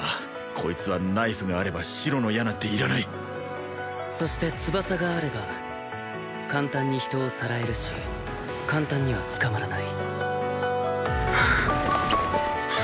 こいつはナイフがあれば白の矢なんていらないそして翼があれば簡単に人をさらえるし簡単には捕まらない